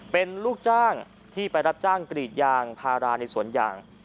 เป็นลูกจ้างที่ไปรับจ้างกรีดยางพาราในสวนยาง